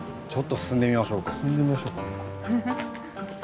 進んでみましょうかね。